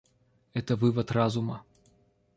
Это вывод разума.